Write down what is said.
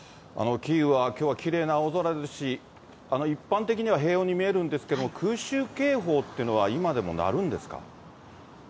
キーウはきょうはきれいな青空ですし、一般的には平穏に見えるんですけど、空襲警報というのは、今でも鳴るんですか？